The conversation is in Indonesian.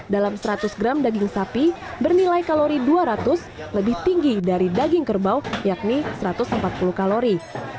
dalam seratus gram daging sapi bernilai kalori dua ratus lebih tinggi dari daging kerbau yakni satu ratus empat puluh kalori